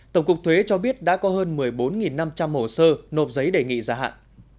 tổng cục thuế cho biết đã có hơn một mươi bốn năm trăm linh hồ sơ nộp giấy đề nghị gia hạn